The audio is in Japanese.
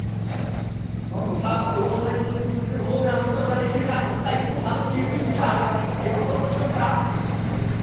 さあ、大谷に続くホームラン打つことができるか、第３球、ピッチャー、セットポジションから。